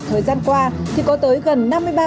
thời gian qua thì có tới gần năm mươi ba